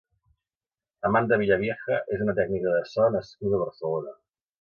Amanda Villavieja és una tècnica de so nascuda a Barcelona.